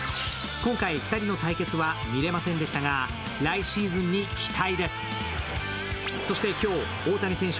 今回２人の対決は見れませんでしたが、来シーズンに期待です。